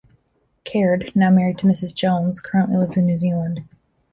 Caird, now married as Mrs. Jones, currently lives in New Zealand.